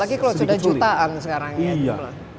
apalagi kalau sudah jutaan sekarang ya